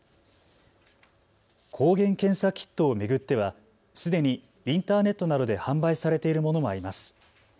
抗原検査キットを巡ってはすでにインターネットなどで販売されているものもあります。